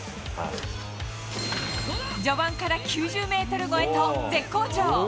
序盤から９０メートル超えと、絶好調。